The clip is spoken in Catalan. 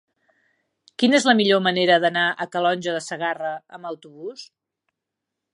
Quina és la millor manera d'anar a Calonge de Segarra amb autobús?